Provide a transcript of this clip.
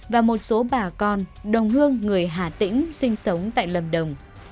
và một số bà con đồng hương người hà tĩnh sinh sống tại lâm đồng